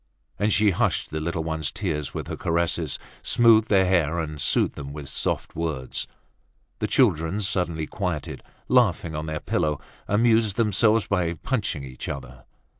And she hushed the little ones' tears with her caresses, smoothed their hair, and soothed them with soft words. The children, suddenly quieted, laughing on their pillow, amused themselves by punching each other.